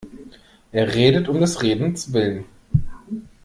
Er redet um des Redens Willen.